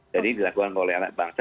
jadi dilakukan oleh anak bangsa